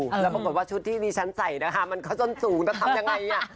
แล้วปรากฏว่าชุดที่ดิฉันใส่นะคะมันเข้าจนสูงแล้วทำยังไง